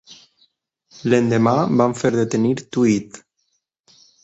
L'endemà van fer detenir Tweed.